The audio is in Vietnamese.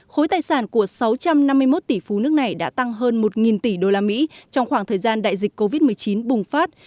khối tài sản của sáu trăm năm mươi một tỷ phú nước này đã tăng hơn một tỷ usd trong khoảng thời gian đại dịch covid một mươi chín bùng phát